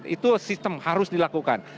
itu sistem harus dilakukan